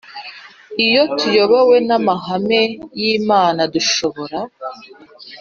Iyo tuyobowe n amahame y Imana dushobora